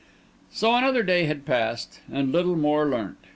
So another day had passed, and little more learnt.